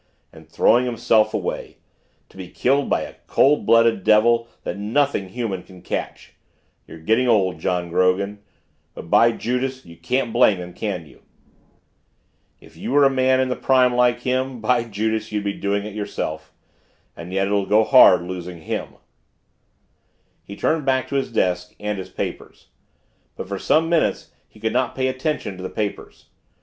"And throwing himself away to be killed by a cold blooded devil that nothing human can catch you're getting old, John Grogan but, by Judas, you can't blame him, can you? If you were a man in the prime like him, by Judas, you'd be doing it yourself. And yet it'll go hard losing him " He turned back to his desk and his papers. But for some minutes he could not pay attention to the papers.